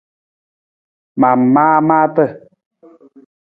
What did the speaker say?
Ma maa maata.